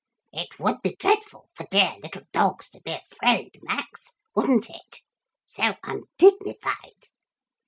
It would be dreadful for dear little dogs to be afraid, Max, wouldn't it? So undignified.'